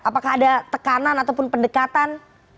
apakah ada tekanan ataupun pendekatan